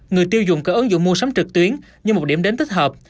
người tiêu dùng có ứng dụng mua sắm trực tuyến như một điểm đến tích hợp